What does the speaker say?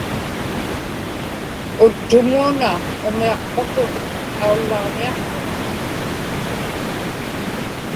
uttumuuna umiaqpakun aullaġniaqtuŋa